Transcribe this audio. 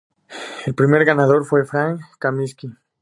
El primer ganador fue Frank Kaminsky.